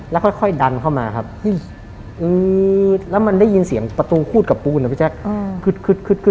แล้วค่อยดันเข้ามาครับแล้วมันได้ยินเสียงประตูคูดกับปูนนะพี่แจ๊ค